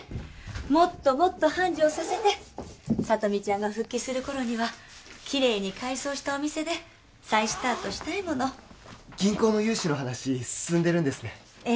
もっともっと繁盛させて聡美ちゃんが復帰する頃にはきれいに改装したお店で再スタートしたいもの銀行の融資の話進んでるんですねえ